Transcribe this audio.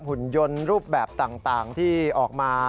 หุ่นยนต์รูปแบบต่างที่ออกมา